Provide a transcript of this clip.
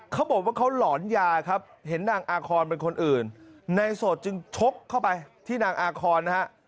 เขาบอกว่าเขาหลอนยาครับเห็นนางอาคอนเป็นคนอื่นนายโสดจึงชกเข้าไปที่นางอาคอนนะฮะ